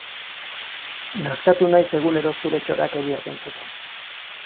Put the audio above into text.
Nazkatu naiz egunero zure txorakeriak entzuten.